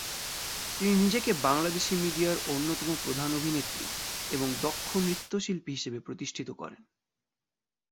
তিনি নিজেকে বাংলাদেশী মিডিয়ার অন্যতম প্রধান অভিনেত্রী এবং দক্ষ নৃত্যশিল্পী হিসেবে প্রতিষ্ঠিত করেন।